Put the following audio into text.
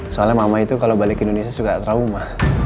soalnya mama itu kalau balik ke indonesia suka trauma